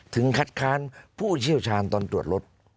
คัดค้านผู้เชี่ยวชาญตอนตรวจรถ